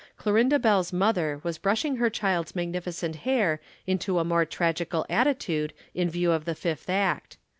Clorinda Bell's mother was brushing her child's magnificent hair into a more tragical attitude in view of the fifth act.